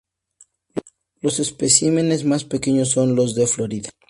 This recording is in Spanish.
Los especímenes más pequeños son los de Florida.